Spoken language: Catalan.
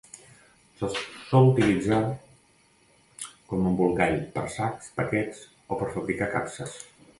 Se sol utilitzar com a embolcall, per sacs, paquets o per fabricar capses.